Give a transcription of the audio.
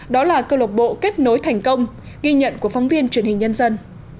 đó là câu lộc bộ kết nối thành công ghi nhận của phóng viên truyền hình nhân dân